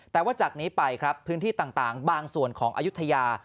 แต่ว่าจากนี้ไปครับพื้นที่ต่างบางส่วนของอายุทยา